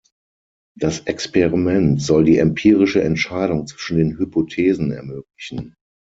Das Experiment soll die empirische Entscheidung zwischen den Hypothesen ermöglichen.